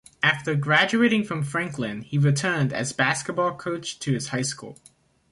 After graduating from Franklin, he returned as basketball coach to his high school.